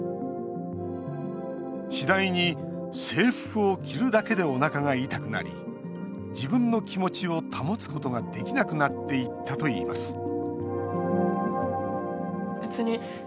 次第に、制服を着るだけでおなかが痛くなり自分の気持ちを保つことができなくなっていったといいます